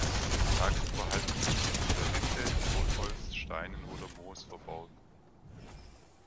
Tagsüber halten sie sich unter Rinde, Totholz, Steinen oder Moos verborgen.